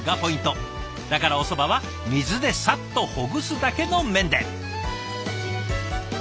だからおそばは水でサッとほぐすだけの麺で。